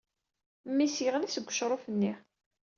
Memmi-s yeɣli seg wecṛuf-nni.